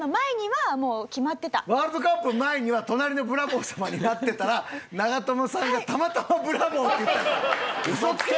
ワールドカップ前には『隣のブラボー様』になってたら長友さんがたまたま「ブラボー」って言ったんだ。